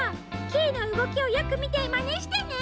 キイのうごきをよくみてまねしてね。